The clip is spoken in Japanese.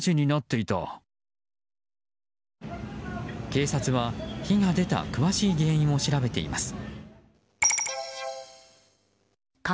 警察は火が出た詳しい原因を調べています。